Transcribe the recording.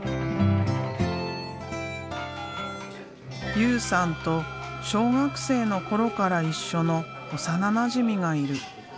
雄さんと小学生の頃から一緒の幼なじみがいる。